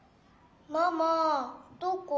「ママどこ？」。